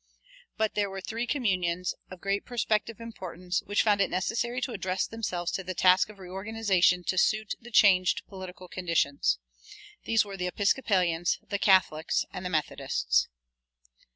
But there were three communions, of great prospective importance, which found it necessary to address themselves to the task of reorganization to suit the changed political conditions. These were the Episcopalians, the Catholics, and the Methodists.